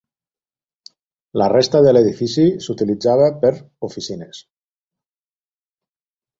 La resta de l'edifici s'utilitzava per oficines.